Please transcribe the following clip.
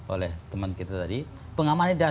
oleh teman kita tadi pengamannya